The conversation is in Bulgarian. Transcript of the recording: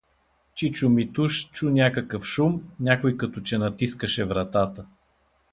Чичо Митуш чу някакъв шум, някой като че натискаше вратата.